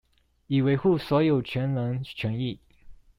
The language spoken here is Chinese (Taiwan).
以維護所有權人權益